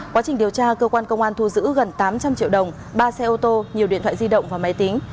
quá trình điều tra cơ quan công an thu giữ gần tám trăm linh triệu đồng ba xe ô tô nhiều điện thoại di động và máy tính